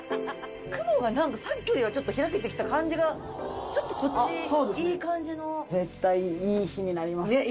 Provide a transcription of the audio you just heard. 雲がなんか、さっきよりはちょっと開けてきた感じが、ちょっとこっち、いい感絶対いい日になりますよ。